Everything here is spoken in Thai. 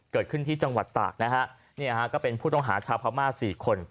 เกิดขึ้นที่จังหวัดตากนะฮะเนี่ยฮะก็เป็นผู้ต้องหาชาวพม่าสี่คน